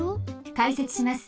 かいせつします。